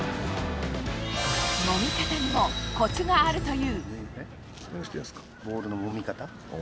もみ方にもコツがあるという。